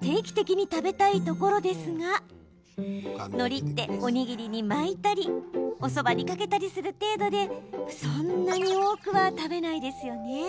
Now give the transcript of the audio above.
定期的に食べたいところですがのりって、おにぎりに巻いたりそばにかけたりする程度でそんなに多くは食べないですよね。